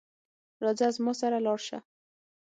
راځه زما سره لاړ شه